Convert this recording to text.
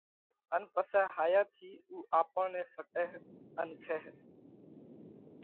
ان پسئہ هايا ٿِي اُو آپون نئہ ڦٽئه ان کائه۔